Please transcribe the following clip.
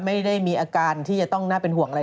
ไม่ได้มีอาการที่จะต้องน่าเป็นห่วงอะไร